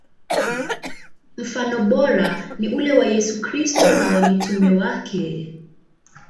Mfano bora ni ule wa Yesu Kristo na wa mitume wake.